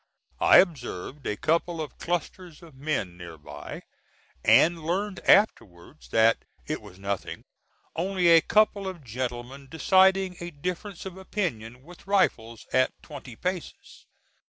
I observed a couple of clusters of men near by, and learned afterwards that "it was nothing; only a couple of gentlemen deciding a difference of opinion with rifles, at twenty paces."